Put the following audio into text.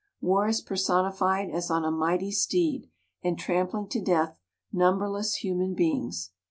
War is personified as on a mighty steed and trampling to death numberless human be ings.